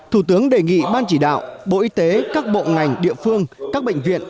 thủ tướng đề nghị ban chỉ đạo bộ y tế các bộ ngành địa phương các bệnh viện